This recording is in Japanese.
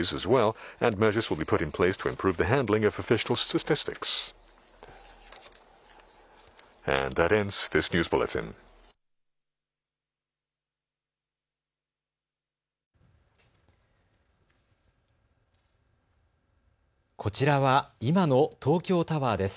こちらは今の東京タワーです。